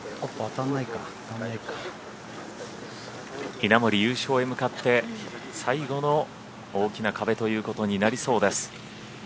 稲森、優勝へ向かって最後の大きな壁ということになりそうです。